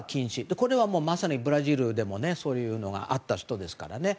これはまさに、ブラジルでもそういうのがあった人ですから。